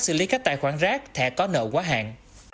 xử lý các tài khoản rác thẻ có nợ quá hạn